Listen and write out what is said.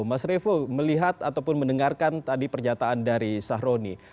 mas revo melihat ataupun mendengarkan tadi pernyataan dari sahroni